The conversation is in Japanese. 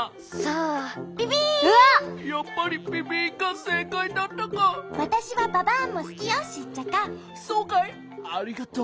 ありがとう。